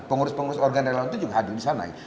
pengurus pengurus organ relawan itu juga hadir di sana